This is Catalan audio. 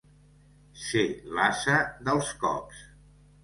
Ser l'ase dels cops.